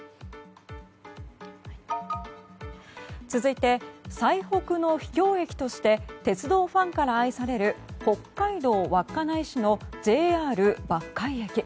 続いて最北の秘境駅として鉄道ファンから愛される北海道稚内市のＪＲ抜海駅。